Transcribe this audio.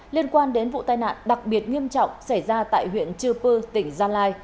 liên quan đến vụ tai nạn đặc biệt nghiêm trọng xảy ra tại huyện chư pư tỉnh gia lai